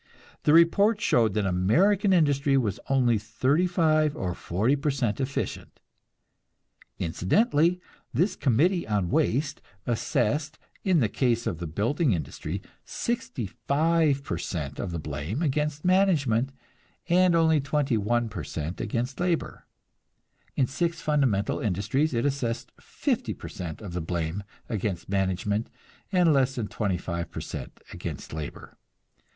The report showed that American industry was only thirty five or forty per cent efficient. Incidentally, this "Committee on Waste" assessed, in the case of the building industry, sixty five per cent of the blame against management and only twenty one per cent against labor; in six fundamental industries it assessed fifty per cent of the blame against management and less than twenty five per cent against labor.